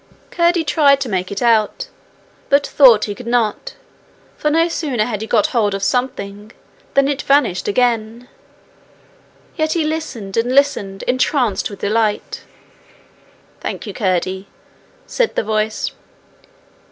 Curdie tried to make out, but thought he could not; for no sooner had he got hold of something than it vanished again. Yet he listened, and listened, entranced with delight. 'Thank you, Curdie, said the voice.